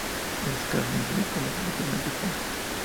Es carnívoro y come principalmente esponjas.